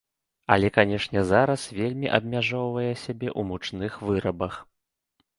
Але, канешне, зараз вельмі абмяжоўвае сябе ў мучных вырабах.